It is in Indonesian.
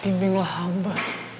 pimpin lah hamba